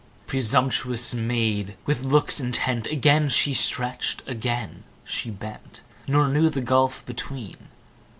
Presumptuous Maid! with looks intent Again she stretch'd, again she bent, Nor knew the gulf between.